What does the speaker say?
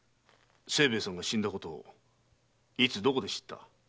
清兵衛さんが死んだことをいつどこで知った？